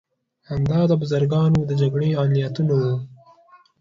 همدا د بزګرانو د جګړو علتونه وو.